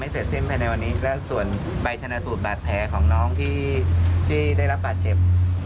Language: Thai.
เสร็จสิ้นภายในวันนี้และส่วนใบชนะสูตรบาดแผลของน้องที่ได้รับบาดเจ็บ